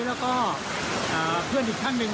เรารออยู่ตรงนู้นประมาณชั่วโมง